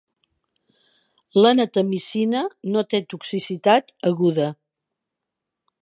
La natamicina no té toxicitat aguda.